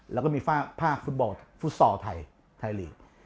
แล้วก็มีภาคฟุตบอลฟุตซอลไทยไทยลีก